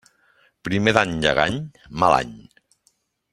Primer d'any llegany, mal any.